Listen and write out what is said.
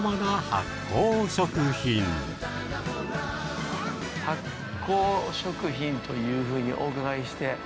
発酵食品というふうにお伺いして。